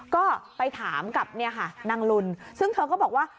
ก็ไปถามกับนางลุลซึ่งเธอก็บอกว่า